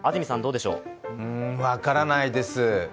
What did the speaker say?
うーん、分からないです。